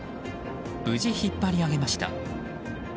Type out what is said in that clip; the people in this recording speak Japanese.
無事引っ張り上げました。